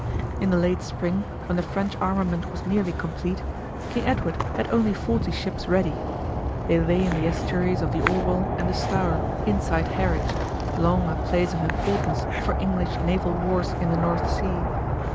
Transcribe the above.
In the late spring when the French armament was nearly complete, King Edward had only forty ships ready. They lay in the estuaries of the Orwell and the Stour, inside Harwich, long a place of importance for English naval wars in the North Sea.